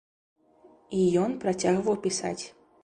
І ён працягваў пісаць.